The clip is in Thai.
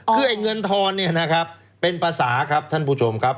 คือไอ้เงินทอนเนี่ยนะครับเป็นภาษาครับท่านผู้ชมครับ